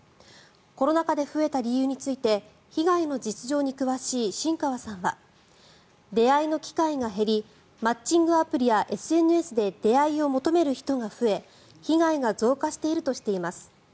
コロナ禍で増えた理由について被害の実情に詳しい新川さんは出会いの機会が減りマッチングアプリやＳＮＳで出会いを求める人が増え被害が増加しているとしています。